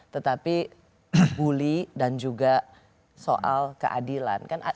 tetapi bully dan juga soal keadilan